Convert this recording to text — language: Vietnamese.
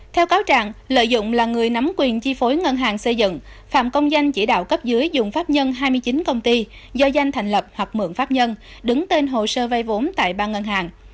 theo cáo trạng lợi dụng là người nắm quyền chi phối ngân hàng xây dựng phạm công danh chỉ đạo cấp dưới dùng pháp nhân hai mươi chín công ty do danh thành lập hoặc mượn pháp nhân đứng tên hồ sơ vay vốn tại ba ngân hàng